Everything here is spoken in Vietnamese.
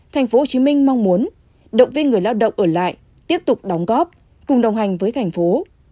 tp hcm mong muốn động viên người lao động ở lại tiếp tục đóng góp cùng đồng hành với thành phố